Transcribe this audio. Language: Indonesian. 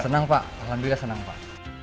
senang pak alhamdulillah senang pak